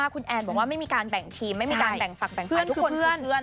คุณแอนบอกว่าไม่มีการแบ่งทีมไม่มีการแบ่งฝักแบ่งเพื่อนทุกคน